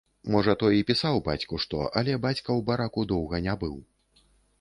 Можа, той і пісаў бацьку што, але бацька ў бараку доўга не быў.